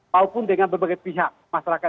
walaupun dengan berbagai pihak masyarakat